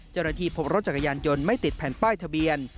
เจ้าหน้าที่พบรถจักรยานยนต์ไม่ติดแผ่นป้ายทะเบียน